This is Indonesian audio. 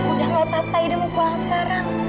udah gak apa apa ide mau pulang sekarang